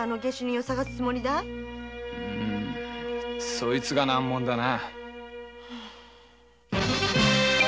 そいつが難問だな。